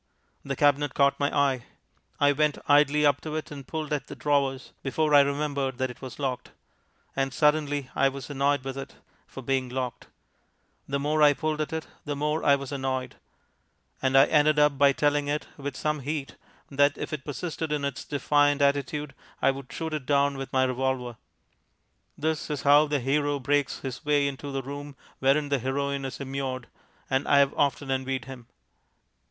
The cabinet caught my eye. I went idly up to it and pulled at the drawers, before I remembered that it was locked. And suddenly I was annoyed with it for being locked; the more I pulled at it, the more I was annoyed; and I ended up by telling it with some heat that, if it persisted in its defiant attitude, I would shoot it down with my revolver. (This is how the hero breaks his way into the room wherein the heroine is immured, and I have often envied him.)